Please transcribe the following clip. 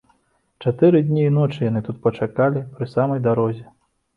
Чатыры дні і ночы яны тут прачакалі, пры самай дарозе.